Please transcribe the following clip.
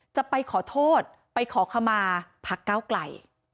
จะไปขอโทษไปขอขมาพักเก้าไกล